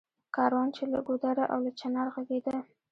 کاروان چــــې له ګـــــودره او له چنار غـــږېده